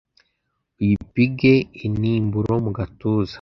uyipige intimburo mu gatuza